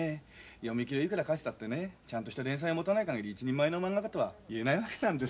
読み切りをいくら描いてたってねちゃんとした連載を持たない限り一人前のまんが家とは言えないわけなんですよ。